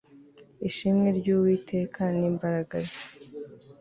ishimwe ry uwiteka n imbaraga ze